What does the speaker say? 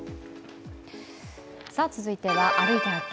続いては「歩いて発見！